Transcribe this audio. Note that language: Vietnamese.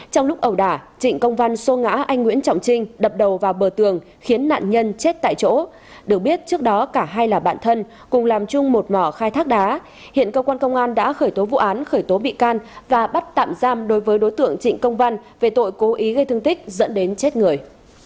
trong lúc ẩu đả trịnh công văn sô ngã anh nguyễn trọng trinh đập đầu vào bờ tường khiến nạn nhân chết tại chỗ được biết trước đó cả hai là bạn thân cùng làm chung một mỏ khai thác đá hiện cơ quan công an đã khởi tố vụ án khởi tố bị can và bắt tạm giam đối với đối tượng trịnh công văn về tội cố ý gây thương tích dẫn đến chết người